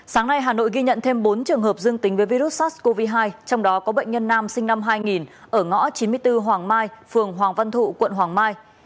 sáng nay hà nội ghi nhận thêm bốn trường hợp dương tính với virus sars cov hai trong đó có bệnh nhân nam sinh năm hai nghìn ở ngõ chín mươi bốn hoàng mai phường hoàng văn thụ quận hoàng mai